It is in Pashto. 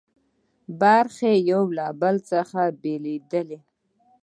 برخې له یو بل څخه بېلېدلې.